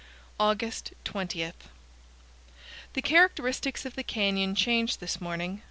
August 20. The characteristics of the canyon change this morning.